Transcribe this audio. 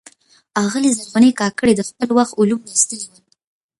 آغلي زرغونې کاکړي د خپل وخت علوم لوستلي ول.